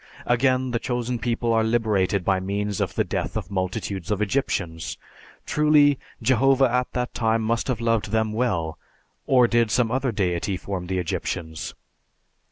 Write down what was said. Again the Chosen People are liberated by means of the death of multitudes of Egyptians. Truly, Jehovah at that time must have loved them well, or did some other Deity form the Egyptians?